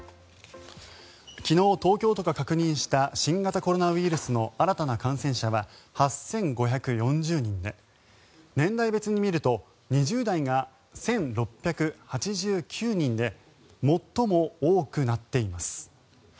昨日、東京都が確認した新型コロナウイルスの新たな感染者は８５４０人で年代別に見ると２０代が１６８９人で最も多くなっています。